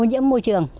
ô nhiễm môi trường